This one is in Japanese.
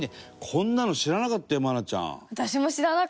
こんなの知らなかったよ愛菜ちゃん。